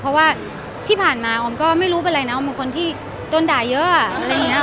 เพราะว่าที่ผ่านมาออมก็ไม่รู้เป็นไรนะออมเป็นคนที่โดนด่าเยอะอะไรอย่างนี้